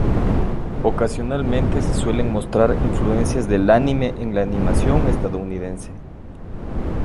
Ocasionalmente se suelen mostrar influencias del anime en la animación estadounidense.